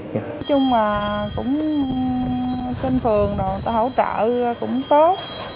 nói chung là cũng trên phường rồi người ta hỗ trợ cũng tốt